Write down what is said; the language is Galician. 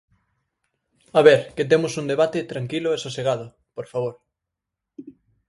A ver, que temos un debate tranquilo e sosegado, por favor.